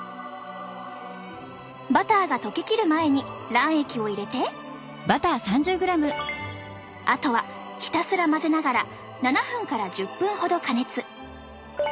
バターが溶けきる前に卵液を入れてあとはひたすら混ぜながら７分から１０分ほど加熱。